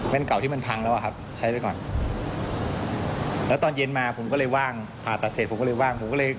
แว่นเก่าที่มันพังแล้วครับใช้ไปก่อน